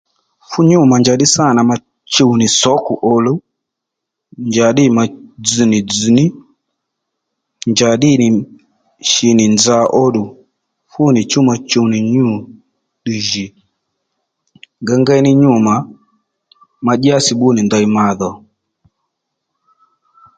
Fú nyû mà njàddí sâ nà mà chuw nì sǒkò òluw njǎddî mà dzz nì dzz̀ ní njǎddí nì shi nì nza óddù fúnì chú ma chúw nì nyû ddiy jì ngéyngéy ní nyû mà ma dyási bbú nì ndey ma dhò